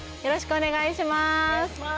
お願いします